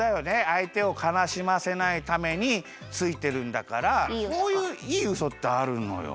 あいてをかなしませないためについてるんだからそういういいウソってあるのよ。